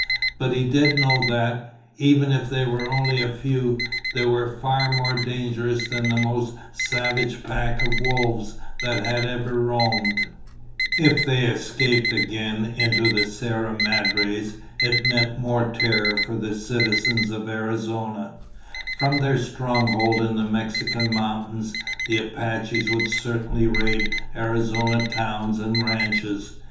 But he did know that, even if they were only a few, they were far more dangerous than the most savage pack of wolves that had ever roamed. [Illustration: Geronimo had cut the wire with his axe] If they escaped again into the Sierra Madres, it meant more terror for the citizens of Arizona. From their stronghold in the Mexican mountains, the Apaches would certainly raid Arizona towns and ranches.